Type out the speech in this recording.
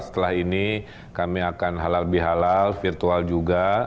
setelah ini kami akan halal bihalal virtual juga